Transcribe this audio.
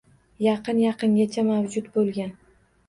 Yaqin-yaqingacha mavjud boʻlgan.